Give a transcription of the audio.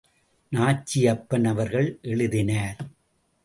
நாச்சியப்பன் அவர்கள் எழுதினார்.